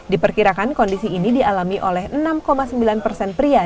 diperkirakan kondisi ini dialami oleh enam sembilan persen pria